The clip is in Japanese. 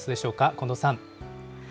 近藤さん。